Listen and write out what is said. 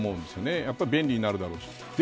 やっぱり便利になるだろうし。